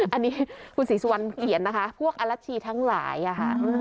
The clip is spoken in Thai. อันนี้คุณศรีสุวรรณเขียนนะคะพวกอรัชชีทั้งหลายค่ะ